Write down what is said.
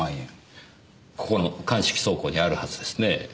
ここの鑑識倉庫にあるはずですね。